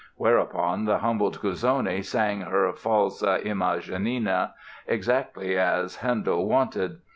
Whereupon the humbled Cuzzoni sang her "Falsa imagine" exactly as Handel wanted.